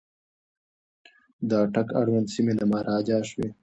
د اټک اړوند سیمي د مهاراجا شوې.